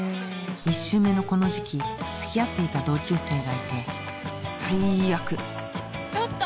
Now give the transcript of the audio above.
１周目のこの時期付き合っていた同級生がいて最悪ちょっと！